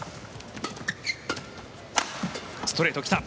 ストレート、来た。